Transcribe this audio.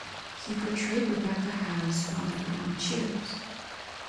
He portrayed Rebecca Howe's father on "Cheers".